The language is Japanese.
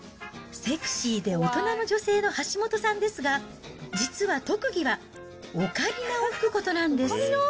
セクシーで大人の女性の橋本さんですが、実は特技はオカリナを吹くことなんです。